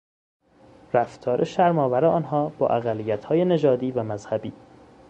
رفتار شرمآور آنها با اقلیتهای نژادی و مذهبی